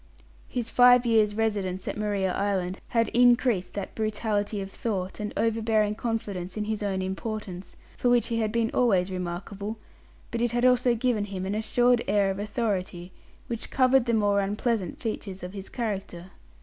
His five years' residence at Maria Island had increased that brutality of thought, and overbearing confidence in his own importance, for which he had been always remarkable, but it had also given him an assured air of authority, which covered the more unpleasant features of his character.